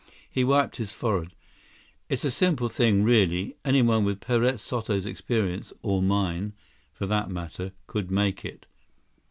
He wiped his forehead. "It's a simple thing, really. Anyone with Perez Soto's experience, or mine, for that matter, could make it."